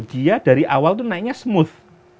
dia dari awal itu naiknya smooth